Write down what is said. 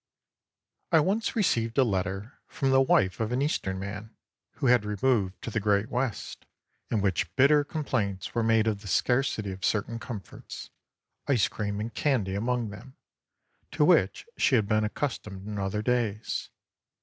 I ONCE received a letter from the wife of an Eastern man who had removed to the Great West, in which bitter complaints were made of the scarcity of certain comforts—ice cream and candy among them—to which she had been accustomed in other days.